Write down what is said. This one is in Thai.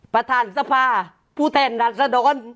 ประธานทรภาพูดแทนราชดร